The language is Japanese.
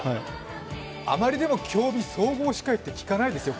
あまり、でも今日び総合司会って聞かないですよ。